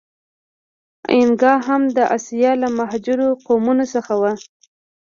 اینکا هم د آسیا له مهاجرو قومونو څخه و.